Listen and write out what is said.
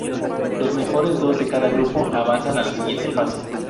Los mejores dos de cada grupo avanzan a la siguiente fase.